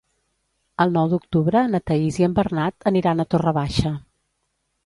El nou d'octubre na Thaís i en Bernat aniran a Torre Baixa.